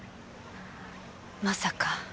まさか。